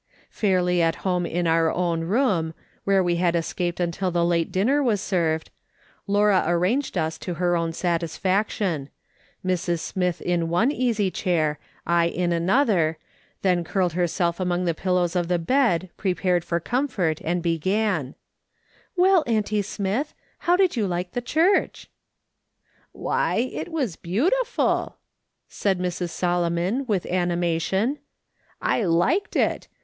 Fairly at home in our own room, where we had escaped until the late dinner was served, Laura "/ THINK THERE WAS AN UNBELIEVER." 125 arranged us to her own satisfaction ; Mrs. Smith in one easy chair, I in another, then curled herself among the pillows of the bed, prepared for comfort, and begran : "Well, auntie Smith, how did you like the church ?"" Why, it was beautiful," said Mrs. Solomon, with animation. "I liked it.